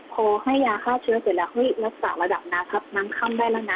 พอให้ยาฆ่าเชื้อเสร็จแล้วเฮ้ยรักษาระดับน้ำครับน้ำค่ำได้แล้วนะ